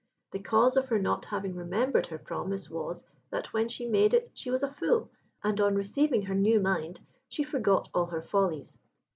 The cause of her not having remembered her promise was, that when she made it she was a fool, and on receiving her new mind, she forgot all her follies.